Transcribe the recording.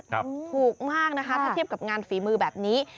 ถูกมากนะคะถ้าเทียบกับงานฝีมือแบบนี้